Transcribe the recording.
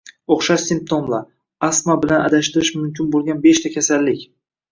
O‘xshash simptomlar: Astma bilan adashtirish mumkin bo‘lganbeshta kasallik